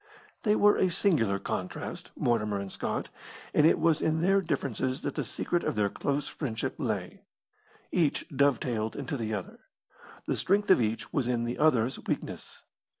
They were a singular contrast, Mortimer and Scott, and it was in their differences that the secret of their close friendship lay. Each dovetailed into the other. The strength of each was in the other's weakness.